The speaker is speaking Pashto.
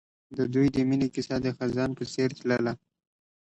د دوی د مینې کیسه د خزان په څېر تلله.